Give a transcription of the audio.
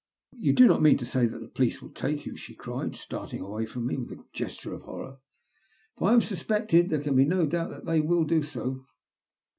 " You do not mean to say that the police will take you?" she cried, starting away from mo with a gesture of horror. " If I am suspected, there can be no doubt that they will do so.